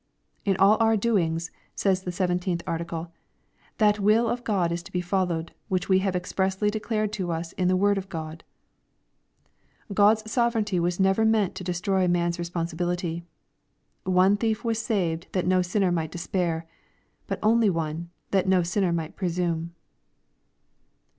" In all our doings," says the 17th Article, " that will of God is to be followed, which we have expressly declared to us in the word of God/' God's sovereignty was never meant to destroy man's responsi* bility. One thief was saved that no sinner might despair, but only one, that no sinner might presume.